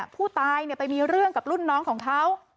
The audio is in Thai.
ผู้ตายไปมีเรื่องกับรุ่นน้องของเขา